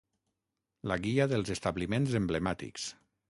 La guia dels establiments emblemàtics.